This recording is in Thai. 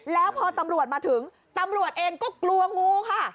แล้วพอตำรวจมาถึงตำรวจเองก็กลัวงูค่ะ